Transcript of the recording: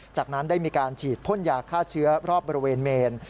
จากนั้นได้มีการฉีดพ่นยาฆ่าเชื้อรอบบริเวณเมน